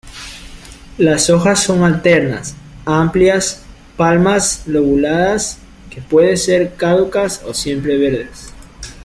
Las hojas son alternas, amplias, palmadas lobuladas, que puede ser caducas o siempreverdes.